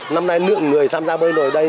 năm nay lượng người tham gia bơi nội ở đây